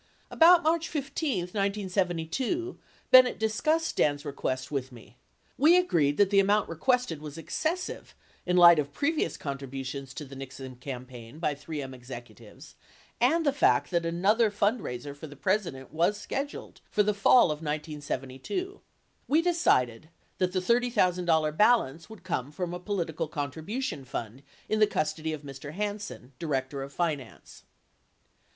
About March 15, 1972, Bennett discussed Stans' request with me. We agreed that the amount requested was excessive in the light of previous contributions to the Nixon campaign by 3M executives and the fact that another fundraiser for the 486 President was scheduled for the fall of 1972. We decided that the $30,000 balance would come from a political contribution fund in the custody of Mr. Hansen, director of finance.